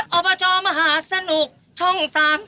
เอาประจอบมหาสนุกช่อง๓๒